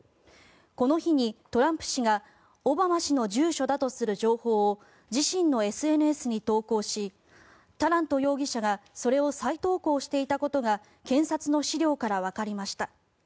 この日に、トランプ氏がオバマ氏の住所だとする情報を自身のＳＮＳに投稿しタラント容疑者がそれを再投稿していたことが検察の資料からわかりました。